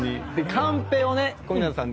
カンペをね小日向さん